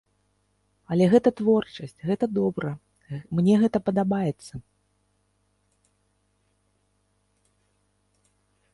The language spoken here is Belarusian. Але гэта творчасць, гэта добра, мне гэта падабаецца.